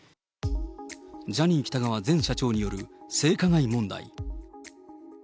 ジャニー喜多川前社長による性加害問題。